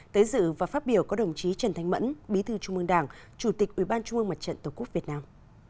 tới dự và phát biểu có đồng chí trần thanh mẫn bí thư trung mương đảng chủ tịch ủy ban trung ương mặt trận tổ quốc việt nam